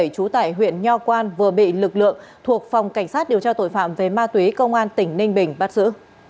trú tại huyện nho quan vừa bị lực lượng thuộc phòng cảnh sát điều tra tội phạm về ma túy công an tỉnh ninh bình bắt giữ